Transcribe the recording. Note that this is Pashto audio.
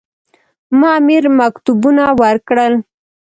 ما امیر مکتوبونه ورکړل.